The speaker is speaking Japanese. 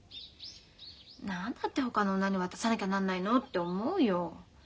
何だってほかの女に渡さなきゃなんないのって思うよ。